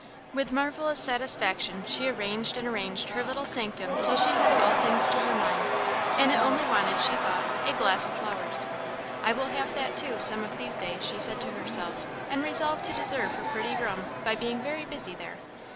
With marvellous satisfaction she arranged and arranged her little sanctum till she had all things to her mind, and it only wanted, she thought, a glass of flowers. "I will have that, too, some of these days," she said to herself; and resolved to deserve her pretty room by being very busy there.